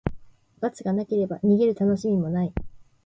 罰がなければ、逃げるたのしみもない。